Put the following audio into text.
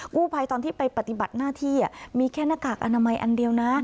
กู้ภัยตอนที่ไปปฏิบัติหน้าที่มีแค่หน้ากากอนามัยอันเดียวนะ